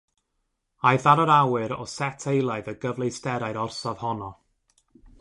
Aeth ar yr awyr o set eilaidd o gyfleusterau'r orsaf honno.